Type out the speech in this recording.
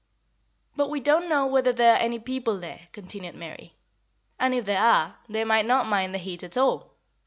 "But we don't know whether there are any people there," continued Mary, "and if there are, they might not mind the heat at all.